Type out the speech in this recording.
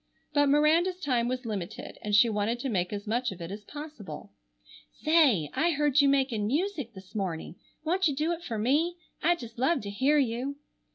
But Miranda's time was limited, and she wanted to make as much of it as possible. "Say, I heard you making music this morning. Won't you do it for me? I'd just love to hear you."